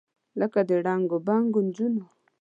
لکه د ړنګو بنګو نجونو،